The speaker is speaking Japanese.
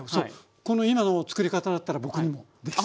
この今のつくり方だったら僕にもできそう。